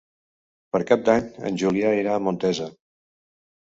Per Cap d'Any en Julià irà a Montesa.